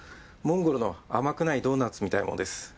モンゴルの甘くないドーナツみたいなものです。